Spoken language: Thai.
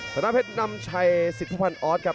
สนามเพชรน้ำชัย๑๐๐๐๐ออสครับ